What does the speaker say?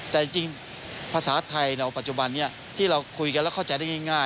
แต่จริงภาษาไทยเราปัจจุบันนี้ที่เราคุยกันแล้วเข้าใจได้ง่าย